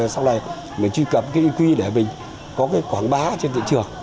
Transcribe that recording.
sau này mình truy cập ý quy để mình có quảng bá trên thị trường